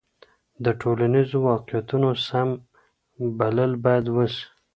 د ټولنیزو واقعیتونو سم بلل باید وسي.